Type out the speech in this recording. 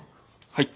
はい。